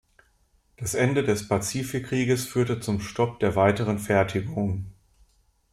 Das Ende des Pazifikkrieges führte zum Stop der weiteren Fertigung.